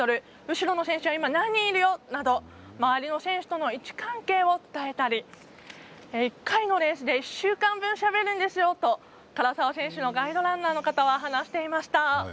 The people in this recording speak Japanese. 後ろの選手は今、何人いるよなど周りの選手との位置関係を伝えたり１回のレースで１週間分、走るんですよと唐澤選手のガイドランナーの方は話していました。